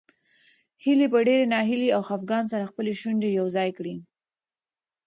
هیلې په ډېرې ناهیلۍ او خپګان سره خپلې شونډې یو ځای کړې.